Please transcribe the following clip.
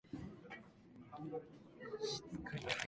北海道長万部町